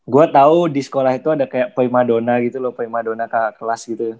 gue tau di sekolah itu ada kayak prima dona gitu loh prima dona kak kelas gitu